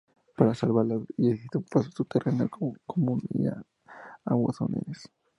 Para salvar las vías existe un paso subterráneo que comunica ambos andenes.